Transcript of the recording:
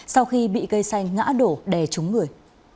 sau khi bị cây xanh ngã đổ đè trúng người